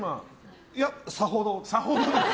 いや、さほど。